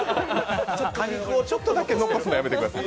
果肉をちょっとだけ残すのやめてください。